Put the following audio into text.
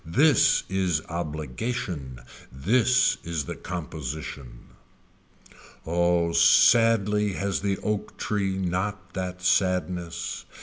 This is obligation. This is the composition. Oh sadly has the oak tree not that sadness.